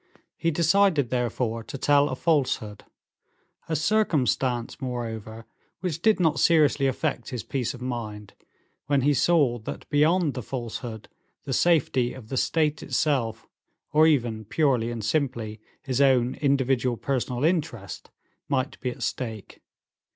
He decided, therefore, to tell a falsehood, a circumstance, moreover, which did not seriously affect his peace of mind, when he saw that beyond the falsehood the safety of the state itself, or even purely and simply his own individual personal interest, might be at stake.